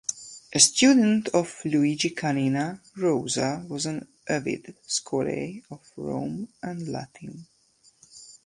A student of Luigi Canina, Rosa was an avid scholae of Rome and Latium.